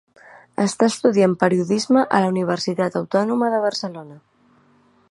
Està estudiant Periodisme a la Universitat Autònoma de Barcelona.